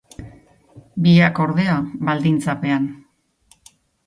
Biak, ordea, baldintzapean.